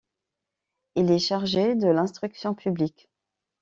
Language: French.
Il est chargé de l’Instruction publique.